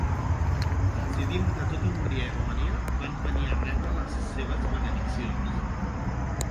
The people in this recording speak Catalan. Hasidim de tota Hongria i Romania van venir a rebre les seves benediccions.